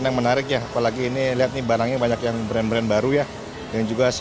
yang menarik ya apalagi ini lihat nih barangnya banyak yang brand brand baru ya yang juga saya